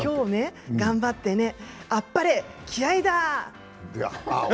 頑張ってね、あっぱれ、気合いだ！